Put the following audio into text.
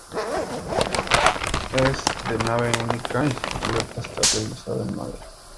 Es de nave única y su cubierta está realizada en madera.